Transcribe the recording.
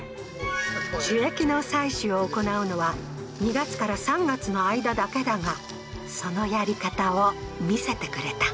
樹液の採取を行うのは、２月から３月の間だけだが、そのやり方を見せてくれた。